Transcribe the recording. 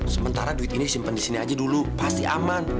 sementara duit ini disimpan di sini aja dulu pasti aman